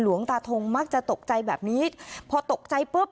หลวงตาทงมักจะตกใจแบบนี้พอตกใจปุ๊บ